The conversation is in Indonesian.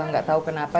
gak tau kenapa